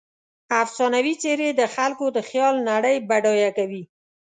افسانوي څیرې د خلکو د خیال نړۍ بډایه کوي.